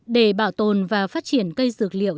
để bảo tồn và phát triển cây dược liệu